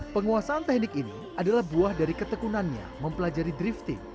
penguasaan teknik ini adalah buah dari ketekunannya mempelajari drifting